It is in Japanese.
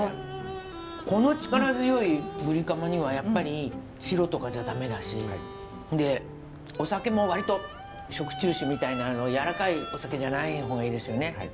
この力強いブリカマにはやっぱり白とかじゃ駄目だしでお酒も割と食中酒みたいな柔らかいお酒じゃない方がいいですよね。